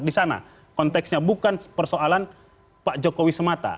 di sana konteksnya bukan persoalan pak jokowi semata